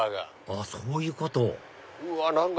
あっそういうこと何だ？